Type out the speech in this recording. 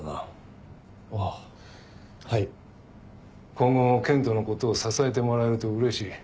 今後も健人のことを支えてもらえるとうれしい。